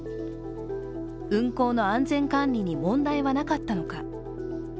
運航の安全管理に問題はなかったのか。